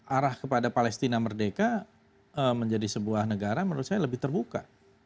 arah kepada palestina merdeka menjadi sebuah negara menurut saya lebih terbuka